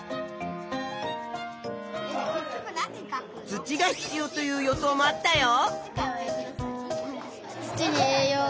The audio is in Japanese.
土が必要という予想もあったよ。